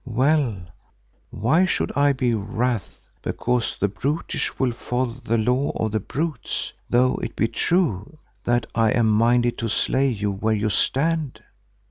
Well, why should I be wrath because the brutish will follow the law of brutes, though it be true that I am minded to slay you where you stand?